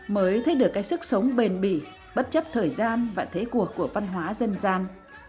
mới thấy được cái sức sống bền bỉ bất chấp thời gian và thế cuộc của văn hóa dân gian